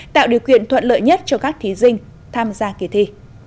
tạo điều kiện thuận lợi nhất cho các thí sinh tham gia kỳ thi